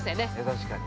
◆確かに。